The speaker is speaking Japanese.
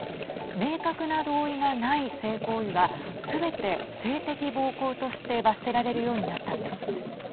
明確な同意がない性行為はすべて性的暴行として罰せられるようになったんです。